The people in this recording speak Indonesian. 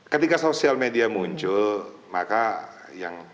ketika sosial media muncul maka yang